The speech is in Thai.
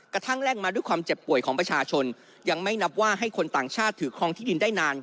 แท่งมาด้วยความเจ็บป่วยของประชาชนยังไม่นับว่าให้คนต่างชาติถือครองที่ดินได้นาน